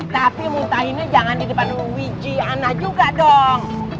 tapi muntahinnya jangan di depan wiji anak juga dong